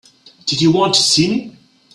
Did you want to see me?